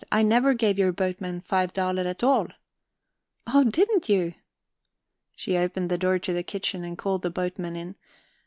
"I never gave your boatman five daler at all." "Oh, didn't you?" She opened the door to the kitchen, and called the boatmen in.